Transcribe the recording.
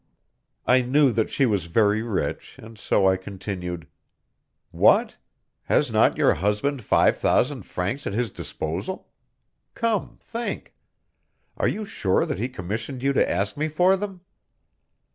I knew that she was very rich and so I continued: "What! Has not your husband five thousand francs at his disposal! Come, think. Are you sure that he commissioned you to ask me for them?"